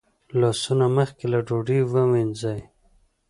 لاسونه مخکې له ډوډۍ ووینځئ